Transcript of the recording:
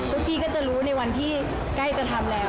พี่ก็จะรู้ในวันที่ใกล้จะทำแล้ว